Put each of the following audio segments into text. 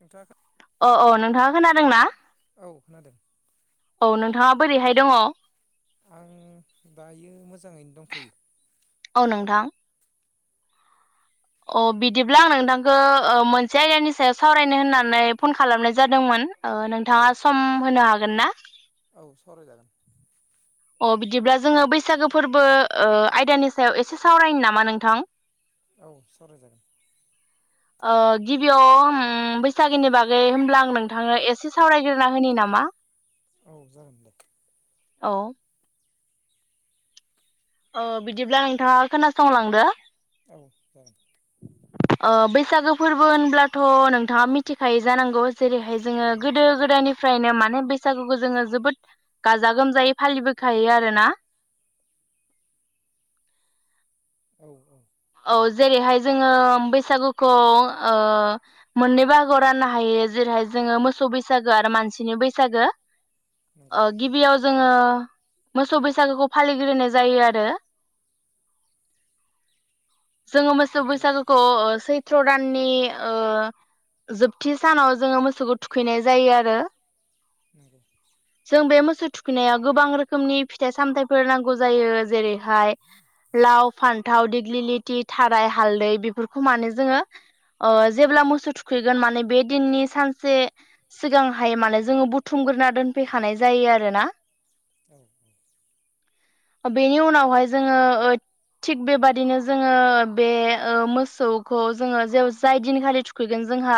नोंथां अ अ नोंथाङा खोनादोंना? औ खोनादों। औ नोंथाङा बोरैहाय दङ? आं दायो मोजाङैनो दंथ'यो। औ नोंथां। अ बिदिब्ला आं नोंथांखो ओ मोनसे आयदानि सायाव सावरायनो होननानै फन खालामनाय जादोंमोन। ओ औ नोंथाङा सम होनो हागोन हागोन ना? सावराय जागोन। अ बिदिब्ला जोङो बैसागो फोरबो ओ आयदानि सायाव एसे सावरायनो नामा नोंथां? औ सावराय जागोन। ओ गिबियाव उम बैसागोनि बागै होमब्ला आं नोंथांनो एसे सावरायग्रोना होनि नामा? औ जागोन दे। औ। ओ बिदिब्लां नोंथाङा खोनासंलांदो। औ जागोन ओ बैसागो फोरबो होनब्लाथ' नोंथाङा मिथिखायो जानांगौ। जेरैहाय औ जोङो मिथियो गोदो-गोदायनिफ्रायनो माने। माने बैसागुखौ जोङो जोबोद गाजा गोमजायै फालिबोखायो आरोना औ औ। औ जेरैहाय जोङो बैसागुखौ ओ मोननै बाहागोआव राननो हायो। जेरैहाय जोङो मोसौ बैसागो आरो मानसिनि बैसागो नंगौ ओ गिबियाव जोङो मोसौ बैसागोखौ फालिग्रोनाय जायो आरो जोङो मोसौ औ बैसागोखौ ओ सै सैत्र दाननि ओ जोबथि सानाव जोङो मोसौखौ थुखैनाय जायो आरो। नंगौ जों बे मोसौ थु खै नाया गोबां रोखोमनि फिथाइ सामथाइफोर नांगौ जायो। जेरैहाय लाव, फान्थाव, दिग्लि खुथि, थाराय, हालदै बेफोरखौ माने जोङो जेब्ला मोसौ थुखैगोन माने बे दिननि सानसे सिगांहाय माने जोङो बुथुमग्रोना दोनफैखानाय जायो आरोना। औ। बेनि उनावहाय जोङो ओ थिग बेबादिनो जोङो बे ओ मोसौखौ जोङो जे जाय दिनखालि थुखैगोन जोंहा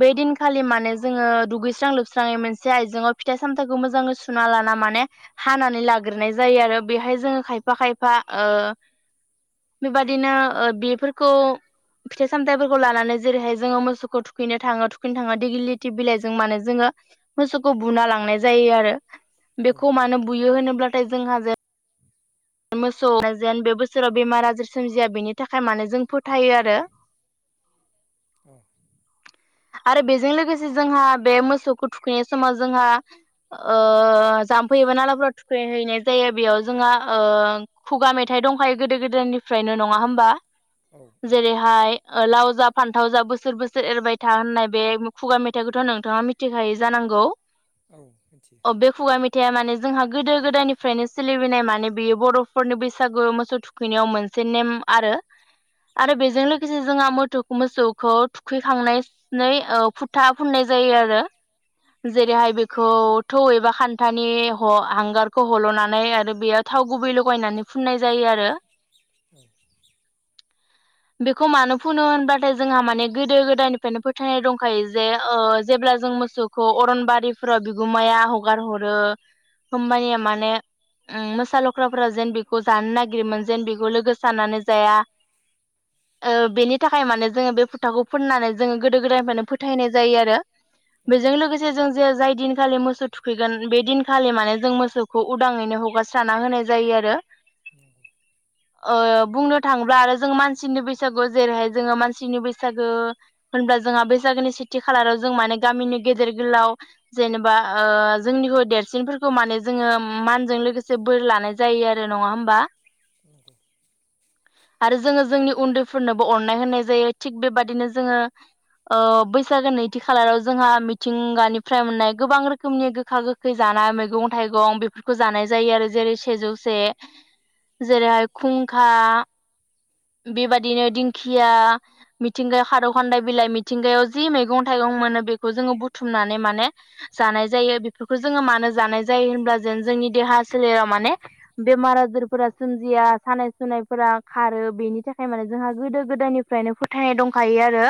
बे दिनखालि माने जोङो दुगैस्रां लोबस्राङै मोनसे आइजेंआव फिथाइ-सामथाइखौ मोजाङै सुना लाना माने हानानै लाग्रोनाय जायो। आरो बेहाय जोङो खायफा खायफा ओ बेबदिनो बेफोरखौ फिथाइ सामथायाइफोरखौ लानानै जेरैहाय जोङो मोसौखौ थुखैनो थाङो थुखैनो थांना दिगिलिथि बिलाइजों माने जोङो मोसौखौ बुना लांनाय जायो आरो। औ बेखौ मानो बुयो होनोब्लाथाय जोंहा जे मोसौ जेन बे बोसोराव बेमार आजार सोमजिया बेनि थाखाय माने जों फोथायो आरो औ। आरो बेजों लोगोसे जोंहा बे मोसौखौ थुखैनाय समाव जोंहा ओ जाम्फै एबा नालाफोराव थुखैहैनाय जायो बेयाव जोंहा ओ खुगा मेथाइ दंखायो गोदो-गोदायनिफ्रायनो नङा होमबा? अ औ जेरैहाय लाव जाब फान्थाव जा बोसोर बोसोर एरबाय था होननाय बे खुगा मेथाइखौथ' नोंथाङा मिथिखायो जानांगौ। औ मिथियो औ बे खुगा मेथाइया माने जोंहा गोदो-गोदायनिफ्रायनो सोलिबोनाय माने बेयो बर'फोरनि बैसागो मोसौ थुखैनायाव मोनसे नेम आरो आरो बेजों लोगोसे जोंहा मोसौ मोसौखौ थुखैखांनायनि फुथा फुननाय जायो आरो जेरैहाय बेखौ थौ एबा खान्थानि हांगारखौ हल'नानै आरो बेयाव थाव गुबै लगायनानै फुननाय जायो आरो औ बेखौ मानो फुनो होनबाथाय जोंहा माने गोदो गोदायनिफ्रायनो फोथायनाय दंखायो जे जेब्ला जों मोसौखौ अरनबारिफोराव बिगुमाया हगार हरो होमबानिया माने उम मोसा लख्राफोरा जेन बेखौ जानो नागिरोमोन जेन बेखौ लोगो सानानानै जाया बेनि थाखाय माने जोङो बे फोथाखौ फोननानै जोङो गोदो गोदायनिफ्रायनो फोथायनाय जायो आरो बेजों लोगोसे जों जे जाय दिन खालि मोसौ थुखैगोन बे दिनखालि माने जों मोसौखौ उदाङैनो हगारस्राना होनाय जायो आरो नंगौ ओ बुंनो थाङोब्ला आरो जों मान सिनि बैसागु जेरैहाय जोङो मानसिनि बैसागो होनब्ला जोंहा बैसागोनि सेथि खालाराव जों माने गामिनि गेदेर गोलाव जेनेबा ओ जोंनि ह देरसिनफोरखौ माने जोङो मानजों लोगोसे बोर लानाय जायो आरो नङा होमबा [inaudible] आरो जोङो जोंनि उन्दैफोरनोबो अननाय होननाय जायो थिग बेबादिनो जोङो ओ बैसागो नैथि खालाराव जोंहा मिथिंगानिफ्राय मोननाय गोबां रोखोमनि गोखा गोखै जानाय मैगं थाइगं बेफोरखौ जानाय जायो आरो जेरै सेजौसे जेरैहाय खुंखा बेबायदिनो दिंखिया मिथिंगायाव खारौ खान्दाय बिलाइ मिथिंगायाव जि मैगं थाइगं मोनो बेखौ जोङो बुथुमनानै माने जानाय जायो बेफोरखौ जोङो मानो जानाय जायो होनब्ला जेन जोंनि देहा सोलेराव माने बेमार आजारफोरा सोमजिया सानाय सुनायफोरा खारो बेनि थाखाय माने जोंहा गोदो गोदायनिफ्रायनो फोथायनाय दंखायो आरो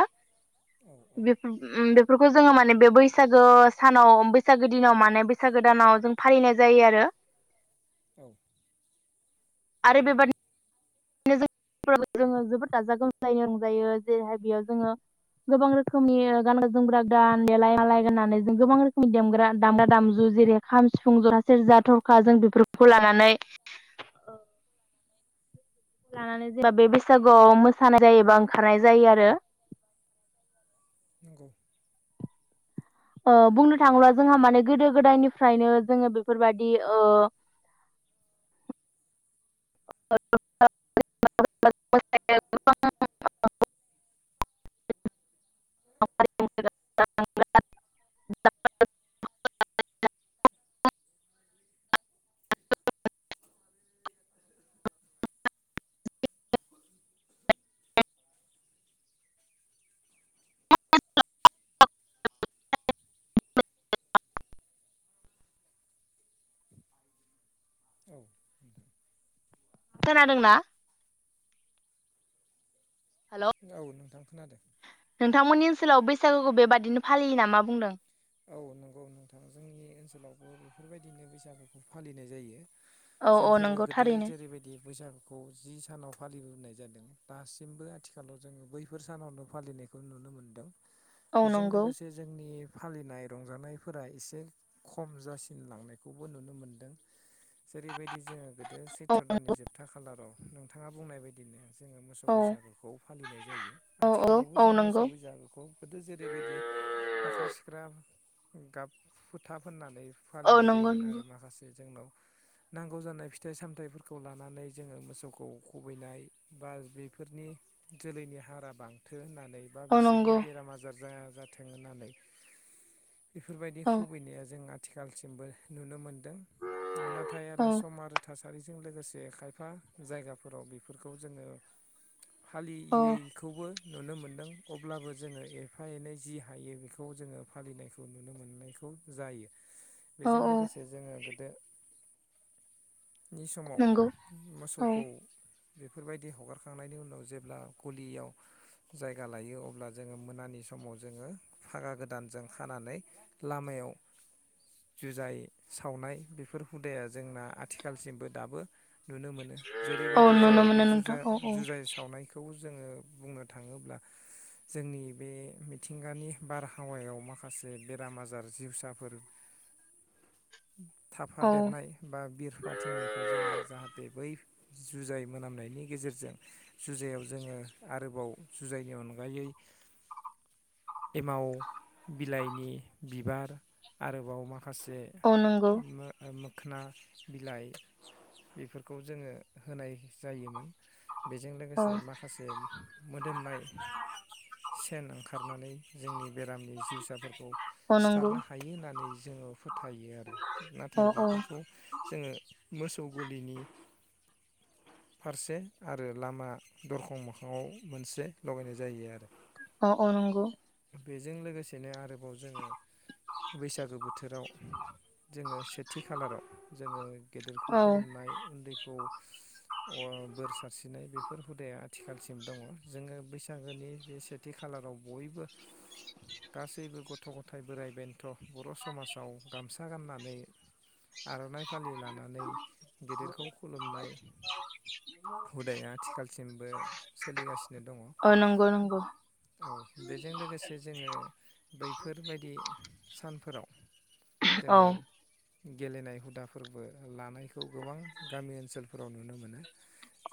औ औ बेफोर उम बे फोरखौ जोङो माने बे बैसागो सानाव बैसागो दिनाव माने बैसागो दानाव जों फालिनाय जायो आरो औ आरो बेबादि [inaudible] जोङो जोबोद गाजा गोमजायैनो रंजायो जेरैहाय बेयाव जोङो गोबां रोखोमनि गानग्रा जोमग्रा गान देलाय मालाय गाननानै जों गोबां रोखोमनि देग्रा दामग्रा दामजु जेरै खाम सिफुं जथा सेरजा थरखा जों बेफोरखौ लानानै ओ लानानै जेनेबा बे बैसागुआव मोसानाय जायोबा ओंखारनाय जायो आरो नोंगौ ओ बुंनो थाङोब्ला जोंहा माने गोदो गोदायनिफ्रायनो जोङो बेफोरबायदि ओ [inaudible] [inaudible] औ खोनादोंना हेल' औ नोंथां खोनादों सोलाव बैसागोखौ बेबादिनो फालियो ना मा बुंदों औ नंगौ नोंथां जोंनि ओनसोलावबो बेफोरबायदिनो बैसागुखौ फालिनाय जायो औ औ जोंफोरो नंगौ गोदो थारैनो जेरैबायदि बैसागुखौ जि सानाव फालिबोनाय जादों दासिमबो आथिखालाव जोङो बैफोर सानावनो फालिनायखौ नुनो मोनदों औ बेजों नंगौ लोगोसे जोंनि फालिनाय रंजानायफोरा एसे खम जासिनलांनायखौबो नुनो मोनदों जेरैबाय दि जोङो गोदो औ सैथ्र' दाननि जोबथा खालाराव नों थाङा बुंनाय बायदिनो जोङो मोसौ औ बैसागुखौ फालिनाय जायो औ औ आथिखालावबो औ जों नंगौ मोसौ बैसागुखौ गोदो जेरैबायदि फाख्रा सि गाब फुथा फोननानै औ फालिनाय नंगौ जायोमोन आरो नंगौ माखासे जोंनाव नांगौ जानाय फिथाइ सामथायाइफोरखौ लानानै जोङो मोसौखौ खुबैनाय बा बैफोरनि जोलैनि हारा बांथो होनना नैबा औ नंगौ बिसोरनि बेराम आजार जाया जाथों होननानै बेफोरबायदि औ खुबैनाया जों आ खालसिमबो नुनो मोन दों नाथाय औ आरो सम आरो थासा हारिजों लोगोसे खायफा जायगाफोराव बिफोरखौ जोङो औ फालियैखौबो नुनो मोनदों अब्लाबो जोङो एफा एनै जि हायो बेख खौ जोङो फालिनायखौ नुनो मोननायखौ जायो। औ बेजों औ लोगोसे जोङो गोदो नि समाव नंगौ औ मोसौखौ बेफोरबायदि हगारखांनायनि उनाव जेब्ला गलियाव जायगा लायो अब्ला जोङो मोनानि समाव जोङो फागा गोदानजों खानानै लामायाव जुजाय सावनाय बेफोर हुदाया जोंना आथिखालसिमबो दाबो नुनो मोनो औ जेरैबायदि नुनो जोङो बे मोनो जुजा नोंथां औ औ जुजाय सावनायखौ जोङो बुंनो थाङोब्ला जोंनि बे मिथिंगानि बारहावायाव माखासे बेराम आजार जिउसाफोर थाफा औ देरनाय बा बिरफाथिंनायखौ जोङो जाहाथे बै जुजाय मोनामनायनि गेजेरजों जुजायाव जोङो आरोबाव जुजायनि अनगायै एमाव बिलाइनि बिबार आरोबाव मा खासे औ नंगौ मो ओमो खोना बिलाइ बिफोरखौ जोङो होनाय जायोमोन। बेजों औ लोगोसे माखासे मोदोमनाय सेन ओंखारनानै जोंनि बेरामनि जिउसाफोरखौ औ नंगौ सिथारनो हायो होननानै जोङो फोथायो आरो औ नाथाय औ बेफोरखौ जोङो मोसौ गलिनि फारसे आरो लामा दरखं मोखाङाव मोनसे लगायनाय जायो आरो। अ अ नंगौ। बेजों लोगोसेनो आरो बाव जोङो बैसागो बोथोराव जोङो सेथि खालाराव जोङो गेदेरखौ औ खुलुमनाय उन्दैखौ अ बोर सारस्रिनाय बेफोर हुदाया थिखालसिम दङ जोङो बैसागोनि बे सेथि खालाराव बयबो गासैबो गथ' गथाय बोराइ बेन्थ' बर' समाजाव गामसा गाननानै आर'नाइ फालि लानानै गेदिरखौ खुलुमनाय हुदाया आथिखालसिमबो सोलिगासिनो दङ औ नंगौ नंगौ जों लोगोसे जोङो बैफोरबायदि सानफोराव औ जोङो गेलेनाय हुदाफोरबो लानायखौ गोबां गामि ओनसोलफोराव नुनो मोनो।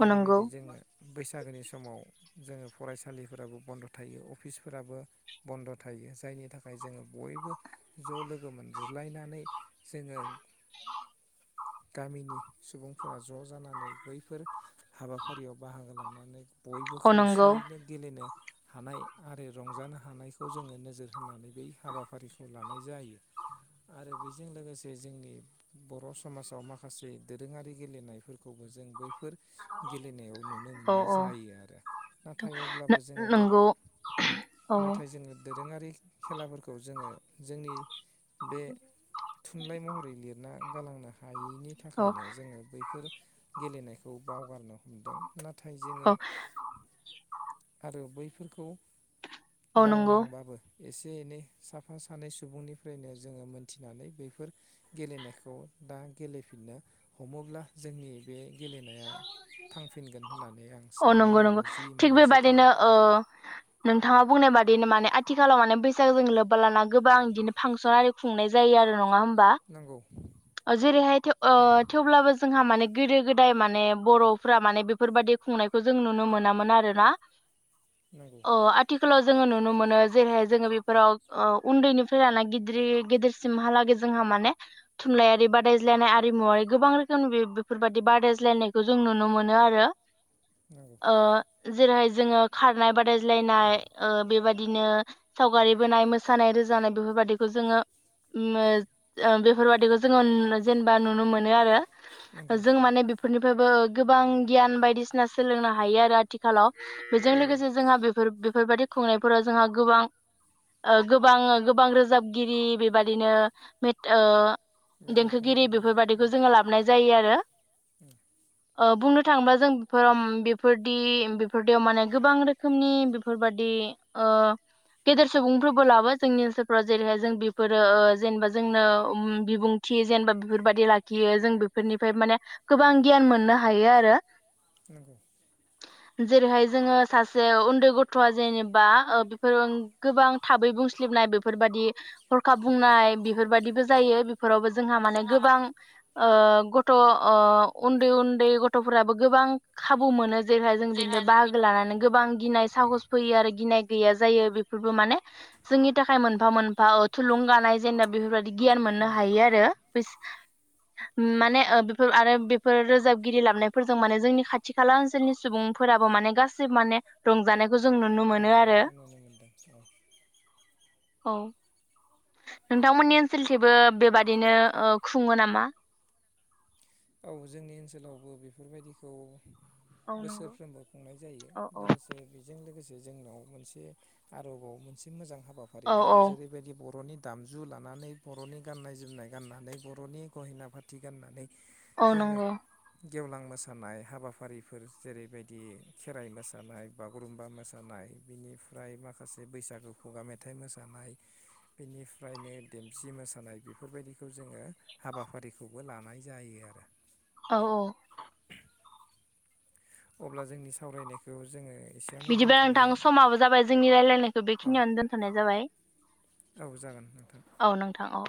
औ नंगौ जोङो बैसाग बैसागोनि समाव जोङो फरायसालिफोराबो बन्द' थायो। अफिसफोराबो बन्द' थायो जायनि थाखाय जोङो बयबो ज' लोगो मोनज्लायनानै जोङो गामिनि सुबुंफोरा ज' जानानै बैफोर हाबाफारियाव बाहागो लानानै बयबो औ नंगौ खौसेयैनो गेलेनो हानाय आरो रंजानो हानायखौ जोङो नोजोर होनानै बै हाबाफारिखौ लानाय जायो आरो बेजों लोगोसे जोंनि बर' समाजाव माखासे दोरोङारि गेलेनायफोरखौबो जों बैफोर गेलेनायाव नुनो औ मोननाय जायो आरो नाथाय अब्लाबो जोङो दोरोङारि नंगौ औ नाथाय जोङो दोरोङारि खेलाफोरखौ जों आङो जोंनि बे थुनलाइ महरै लिरना गालांनो हायैनि थाखायनो जोङो बैफोर गेलेनायखौ बावगारनो हमदों नाथाय नाथाय औ जोङो आरो बै खौ औ नंगौ बावलांबाबो एसे एनै साफा सानै सुबुंनिफ्रायनो जोङो मोनथिनानै बैफोर गेलेनायखौ दा गेलेफिननो हमोब्ला जोंनि बे गेलेनाया थांफिनगोन होननानै आं औ सानो नंगौ नंगौ आरो जि थिग मोननैसो थायो। बेबादिनो ओ नोंथाङा बुंनाय बादिनो माने आथिखालाव माने बैसागो जों लोबबा लाना गोबां बिदिनो फांसन आरि खुंनाय जायो आरो नङा होन बा नंगौ जेरैहाय थेव ओ थेवब्लाबो जोंहा माने गोदो गोद दाय माने बर'फोरा माने बेफोरबादि खुंनायखौ जों नुनो मोनामोन आरो ना। नंगौ अ आथिखालाव जोङो नुनो। नुनो मोनो जेरैहाय जोङो बेफोराव ओ उन्दैनिफ्राय ला गिदरै गेदिरसिमहा लागै जोंहा माने थुनलाइारि बादायज्लायनाय आरिमुवारि गोबां रोखोमनि बे बेफोर बाय दि बारदायज्लायनायखौ जों नुनो मोनो आरो नंगौ ओ जेरैहाय जोङो खारनाय बादायज्लायनाय ओ बेबादिनो सावगारि बोनाय मोसानाय रोजाबनाय बेफोरबादिखौ जोङो उम बेफोरबादिखौ जोङो जेनेबा नुनो मोनो आरो। नंगौ जों माने बेफोरनिफ्रायबो गोबां गियान बायदिसिना सोलोंनो हायो आरो आथिखालाव। बेजों नंगौ लोगोसे जोंहा बेफोर बेफोरबादि खुंनायफोराव जोंहा गोबां ओ गोबां गोबां रोजाबगिरि बेबादिनो मेथ ओ मेथाइ देंखोगिरि खनगिरि बेफोरबायादिखौ उम जोङो लाबोनाय जायो आरो उम ओ बुंनो थाङोबा जों बेफोराव बेफोरदि बेफोरदियाव माने गोबां रोखोमनि बेफोरबादि ओ गेदेर सुबुंफोरबो लाबो जोंनि ओनसोलफोराव जेरैहाय जों बेफोरो ओ जेनेबा जोंनो उम बिबुंथि जेनेबा बेफोरबाददि लाखियो जों बेफोरनिफ्राय माने गोबां गियान मोननो हायो आरो। नंगौ जेरैहाय जोङो सासे उन्दै गथ'आ जेनेबा ओ बेफोर गोबां थाबै बुंस्लिबनाय बेफोरबादि हरखाब बुंनाय बेफोरबादिबो जायो बेफोरावबो जोंहा माने गोबां ओ गथ' अ उन्दै उन्दै गथ'फोराबो गोबां खाबु मोनो जेरैहाय। जों बिनिफ्राय बाहागो लानानै गोबां गिनाय साहस फैयो आरो गिनाय गैया जायो बेफोरबो माने जोंनि थाखाय मोनफा मोनफा थुलुंगानाय जेने बेफोरबादि गियान मोननो नंगौ हायो आरो [unintelligible] माने ओ आरो बेफोर रोजाबगिरि लाबायफोरजों माने जोंनि खाथि खाला ओनसोलनि सुबुंफोराबो माने गाससिबो माने रंजानो रंजानायखौ नुनो मोन्दों औ। औ। नोंथांमोननि ओनसोलथिंबो बेबादिनो खुङो नामा? औ जोंनि ओनसोलावबो बेफोरबायदिखौ औ नंगौ बोसोरफ्रोमबो खुंनाय जायो औ औ लोगोसे बेजों लोगोसे जोंनाव मोनसे आरोबाव मोनसे मोजां हाबा हाबाफारि औ दङ औ जेरैबायदि बर'नि दामजु लानानै बर'नि गाननाय जोमनाय गाननानै बर'नि गहिना फाथि गाननानै औ जोङो नंगौ गेवलां मोसानाय हाबाफारिफोर जेरैबायदि खेराइ मोसानाय बागुरुम्बा मोसानाय बेनिफ्राय माखासे बैसागु खुगा मेथाइ मोसानाय बेनिफ्रायनो देमसि मोसानाय बेफोरबायदिखौ जोङो हाबाफारिखौबो लानाय जायो आरो औ अब्ला जोंनि सावरायनायखौ जोङो एसेयावनो बिदिबा दोनथ'नो नोंथां समाबो जाबाय जोंनि रायलायनायखौ औ बेखिनियावनो दोनथ'नाय जाबायझ औ जागोन नोंथां औ